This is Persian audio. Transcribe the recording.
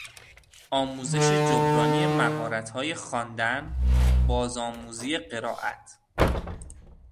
آموزش جبرانی مهارتهای خواندن، بازآموزی قرائت